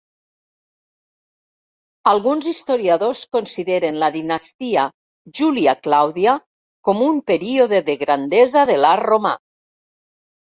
Alguns historiadors consideren la dinastia Júlia-Clàudia com un període de grandesa de l'art romà.